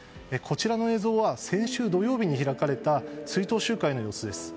映像は先週土曜日に開かれた追悼集会の様子です。